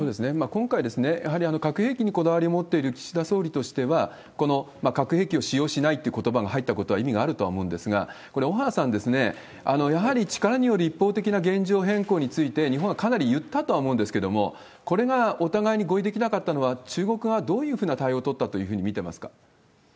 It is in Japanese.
今回、核兵器にこだわりを持っている岸田総理としては、この核兵器を使用しないってことばが入ったことは意味があると思うんですが、これ、小原さん、やはり力による一方的な現状変更について、日本はかなり言ったとは思うんですけれども、これがお互いに合意できなかったのは、中国側はどういうふうな対応を取ったというふうに見てますか？